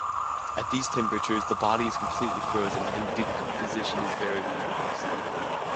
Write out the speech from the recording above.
At these temperatures the body is completely frozen and decomposition is very much reduced.